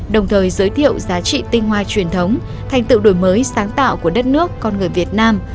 đồng thời giới thiệu giá trị tinh hoa truyền thống thành tựu đổi mới sáng tạo của đất nước con người việt nam